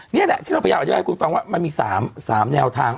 นี่แหละที่เราพยายามอธิบายให้คุณฟังว่ามันมี๓แนวทาง